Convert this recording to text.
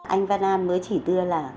anh vân đan mới chỉ đưa là